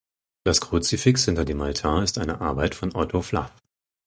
Das Kruzifix hinter dem Altar ist eine Arbeit von Otto Flath.